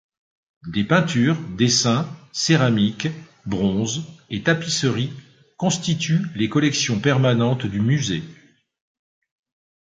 Des peintures, dessins, céramiques, bronzes et tapisseries constituent les collections permanentes du musée.